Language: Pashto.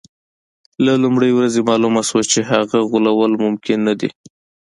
له لومړۍ ورځې معلومه شوه چې هغه غولول ممکن نه دي.